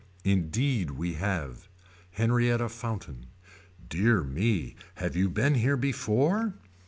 Indeed we have. Henrietta Fountain. Dear me have you been here before.